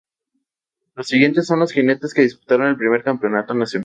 Los siguientes son los jinetes que disputaron el primer campeonato nacional.